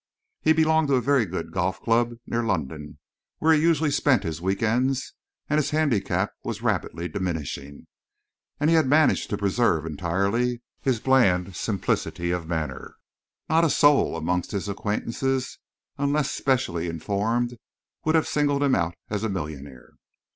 He belonged to a very good golf club near London, where he usually spent his week ends, and his handicap was rapidly diminishing. And he had managed to preserve entirely his bland simplicity of manner. Not a soul amongst his acquaintance, unless specially informed, would have singled him out as a millionaire.